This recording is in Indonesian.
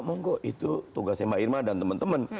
monggo itu tugasnya mbak irma dan teman teman